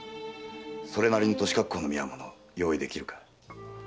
それなりに年かっこうの見合う者用意できるか？